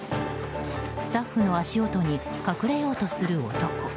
スタッフの足音に隠れようとする男。